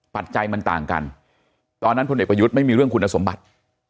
ปัจจัยมันต่างกันตอนนั้นพลเอกประยุทธ์ไม่มีเรื่องคุณสมบัติ